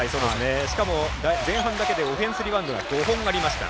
しかも、前半だけでオフェンスリバウンドが５本ありました。